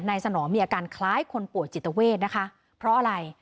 สนองมีอาการคล้ายคนป่วยจิตเวทนะคะเพราะอะไร